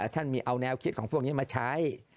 ท่านมีเอาแนวคิดของพวกนี้มาใช้